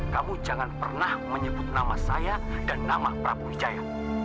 kamu jangan pernah menyebut nama saya dan nama prabu wijaya